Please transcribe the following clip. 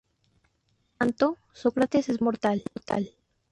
Por tanto, Sócrates es mortal".